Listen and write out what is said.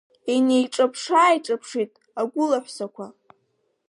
Инеиҿаԥшы-ааиҿаԥшит агәылаҳәсақәа.